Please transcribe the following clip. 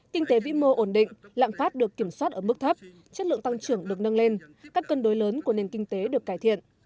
kinh tế vĩ mô ổn định lạng phát được kiểm soát ở mức thấp chất lượng tăng trưởng được nâng lên các cân đối lớn của nền kinh tế